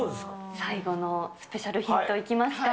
最後のスペシャルヒントいきますか。